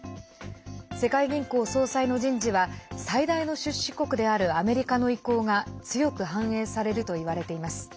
世界銀行総裁の人事は最大の出資国であるアメリカの意向が強く反映されるといわれています。